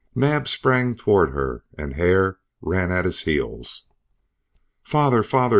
Naab sprang toward her and Hare ran at his heels. "Father! Father!"